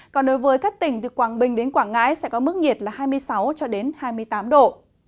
còn đối với các tỉnh từ quảng bình đến quảng ngãi sẽ có mức nhiệt là hai mươi sáu hai mươi tám độ